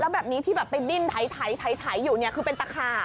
แล้วแบบนี้ที่ไปดิ้นไถอยู่นี่คือเป็นตะขาบนะ